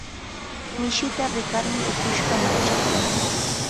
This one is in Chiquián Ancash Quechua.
Mishita rikarmi ukushqa manchakan.